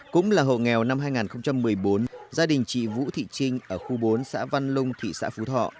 cũng là hộ nghèo năm hai nghìn một mươi bốn gia đình chị vũ thị trinh ở khu bốn xã văn lung thị xã phú thọ